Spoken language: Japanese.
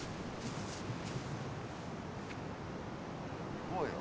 行こうよ。